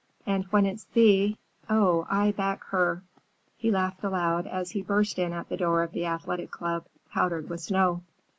And when it's Thea—Oh, I back her!" he laughed aloud as he burst in at the door of the Athletic Club, powdered with snow.